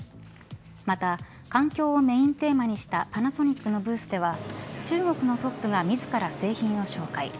また、環境をメーンテーマにしたパナソニックのブースでは中国のトップが自ら製品を紹介。